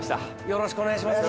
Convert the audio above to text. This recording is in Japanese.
よろしくお願いします。